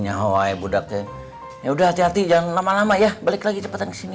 nyawai budaknya ya udah hati hati jangan lama lama ya balik lagi cepetan kesini